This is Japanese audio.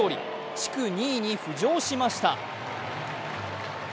地区２位に浮上しました。